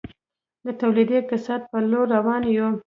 د تولیدي اقتصاد په لور روان یو؟